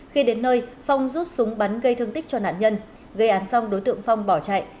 khi đến nơi phong rút súng bắn gây thương tích cho nạn nhân gây án xong đối tượng phong bỏ chạy